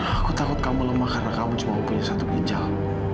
aku takut kamu lemah karena kamu cuma punya satu pinjal